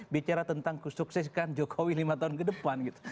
bicara tentang kesuksesan jokowi lima tahun ke depan gitu